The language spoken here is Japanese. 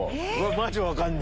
マジ分かんねえ。